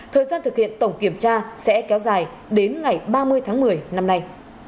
thời gian thực hiện tổng kiểm tra sẽ kéo dài đến ngày ba mươi tháng một mươi năm nay